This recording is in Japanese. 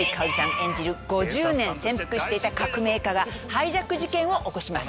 演じる５０年潜伏していた革命家がハイジャック事件を起こします。